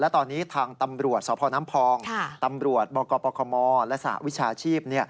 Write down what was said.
และตอนนี้ทางตำรวจสพน้ำพองตำรวจบกปคมและสหวิชาชีพ